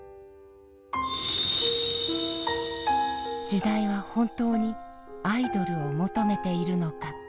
時代は本当にアイドルを求めているのか。